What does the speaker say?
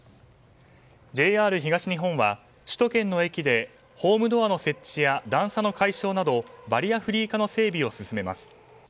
ＪＲ東日本は首都圏の駅でホームドアの設置や段差の解消などバリアフリー化の整備を進めます。